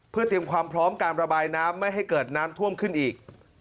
เพื่อเตรียมความพร้อมการระบายน้ำไม่ให้เกิดน้ำท่วมขึ้นอีก